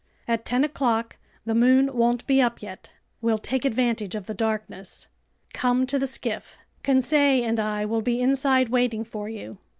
At ten o'clock the moon won't be up yet. We'll take advantage of the darkness. Come to the skiff. Conseil and I will be inside waiting for you."